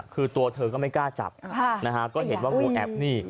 คือตัวเธอก็ไม่กล้าจับนะฮะก็เห็นว่างูแอปนี่